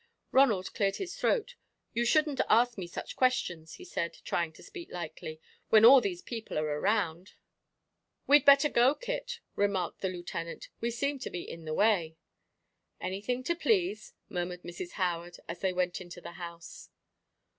Ronald cleared his throat. "You shouldn't ask me such questions," he said, trying to speak lightly, "when all these people are around." "We'd better go, Kit," remarked the Lieutenant; "we seem to be in the way." "Anything to please," murmured Mrs. Howard, as they went into the house.